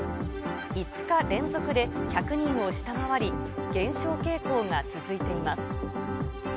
５日連続で、１００人を下回り、減少傾向が続いています。